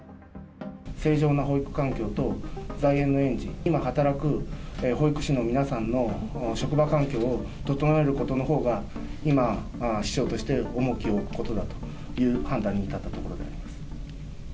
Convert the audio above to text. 正常な保育環境と在園の園児、今働く保育士の皆さんの職場環境を整えることのほうが今、市長として重きを置くことだという判断に至ったところであります。